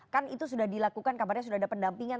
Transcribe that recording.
kan itu sudah dilakukan kabarnya sudah ada pendampingan